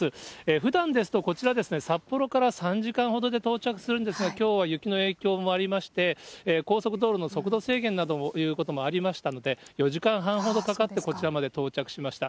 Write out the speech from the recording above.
ふだんですと、こちら、札幌から３時間ほどで到着するんですが、きょうは雪の影響もありまして、高速道路の速度制限などということもありましたので、４時間半ほどかかって、こちら迄到着しました。